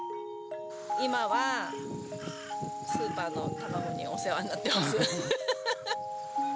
今はスーパーの卵にお世話になってます。